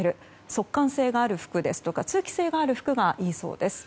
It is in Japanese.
速乾性がある服ですとか通気性がある服がいいそうです。